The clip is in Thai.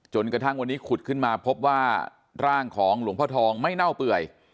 จนกระทั่งวันนี้ขุดขึ้นมาพบว่าร่างของหลวงพ่อทองไม่เน่าเปื่อย